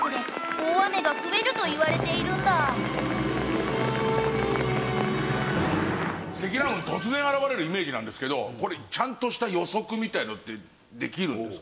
大雨が増える要因の一つが積乱雲突然現れるイメージなんですけどこれちゃんとした予測みたいなのってできるんですか？